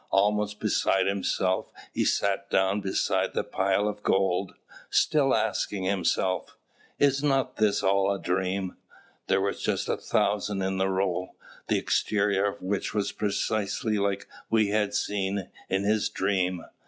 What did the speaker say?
Almost beside himself, he sat down beside the pile of gold, still asking himself, "Is not this all a dream?" There were just a thousand in the roll, the exterior of which was precisely like what he had seen in his dream.